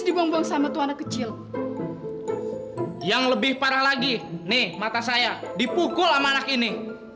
dibong bong sama tuan kecil yang lebih parah lagi nih mata saya dipukul anak ini